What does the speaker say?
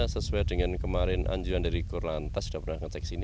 sesuai dengan kemarin anjuran dari korlantas sudah pernah ngecek sini